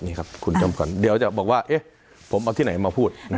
นี่ครับคุณจำขวัญเดี๋ยวจะบอกว่าผมเอาที่ไหนมาพูด